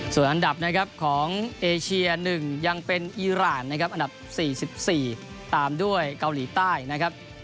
ส่วนอันดับนะครับของเอเชีย๑ยังเป็นอีรานนะครับอันดับ๔๔ตามด้วยเกาหลีใต้นะครับ